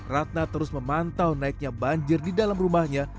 ratna terus memantau naiknya banjir di dalam rumahnya